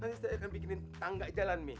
nanti saya akan bikinin tangga jalan nih